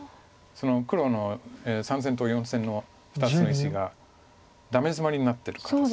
その黒の３線と４線の２つの石がダメヅマリになってる形なので。